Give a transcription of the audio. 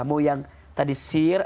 mau yang tadi sir